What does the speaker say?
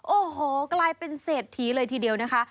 โอ้โหกลายเป็นเศรษฐีเลยทีเดียวนะคะ